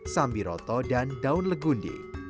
sambiroto dan daun legundi